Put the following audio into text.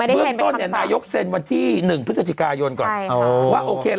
เบื้องตั้วนายกเซ็นวันที่๑พฤศจิกายนก่อน